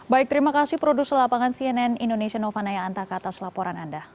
baik terima kasih produser lapangan cnn indonesia novanaya antaka atas laporan anda